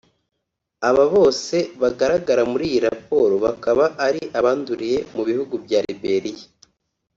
Aba bose bagaragara muri iyi raporo bakaba ari abanduriye mu bihugu bya Liberia